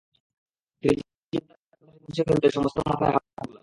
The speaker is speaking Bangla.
তিনি চিন্তা থেকে এই কথাটি ঝেড়ে-মুছে ফেলতে সমস্ত মাথায় হাত বুলান।